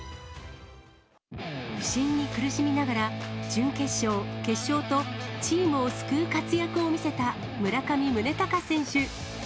不振に苦しみながら、準決勝、決勝と、チームを救う活躍を見せた村上宗隆選手。